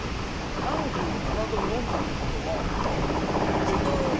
３７度４分ってことは。